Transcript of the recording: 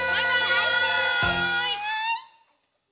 バイバーイ！